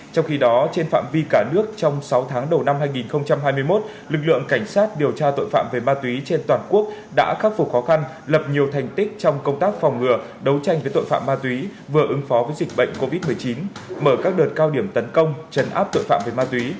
trong khi đó trên phạm vi cả nước trong sáu tháng đầu năm hai nghìn hai mươi một lực lượng cảnh sát điều tra tội phạm về ma túy trên toàn quốc đã khắc phục khó khăn lập nhiều thành tích trong công tác phòng ngừa đấu tranh với tội phạm ma túy vừa ứng phó với dịch bệnh covid một mươi chín mở các đợt cao điểm tấn công trấn áp tội phạm về ma túy